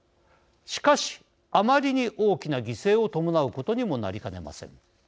しかし、あまりに大きな犠牲を伴うことにもなりかねません。